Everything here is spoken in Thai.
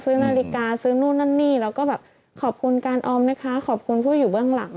ซื้อนาฬิกาซื้อนู่นนั่นนี่แล้วก็แบบขอบคุณการออมนะคะขอบคุณผู้อยู่เบื้องหลัง